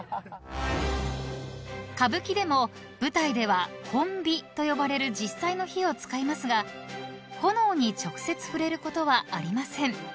［歌舞伎でも舞台では本火と呼ばれる実際の火を使いますが炎に直接触れることはありません］